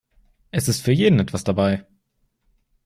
Es ist für jeden etwas dabei.